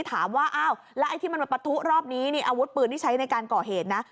ถามว่าอ้าวแล้วไอ้ที่มันมาปะทุรอบนี้นี่อาวุธปืนที่ใช้ในการก่อเหตุนะ